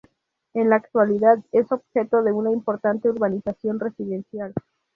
En la actualidad, es objeto de una importante urbanización residencial.